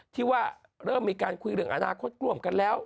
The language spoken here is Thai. ที่ว่าเริ่มมีการคุยเรื่องอนาคตร่วมกันแล้ว